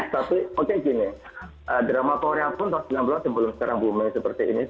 tapi oke gini drama korea pun tahun sembilan belas sebelum sekarang bume seperti ini